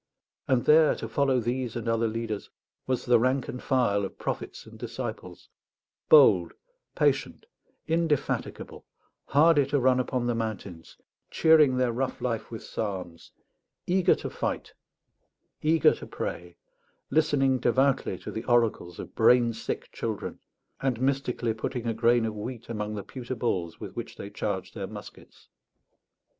And there, to follow these and other leaders, was the rank and file of prophets and disciples, bold, patient, indefatigable, hardy to run upon the mountains, cheering their rough life with psalms, eager to fight, eager to pray, listening devoutly to the oracles of brain sick children, and mystically putting a grain of wheat among the pewter balls with which they charged their muskets.